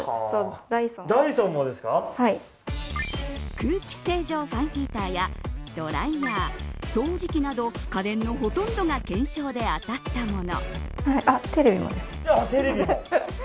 空気清浄ファンヒーターやドライヤー掃除機など家電のほとんどが懸賞で当たったもの。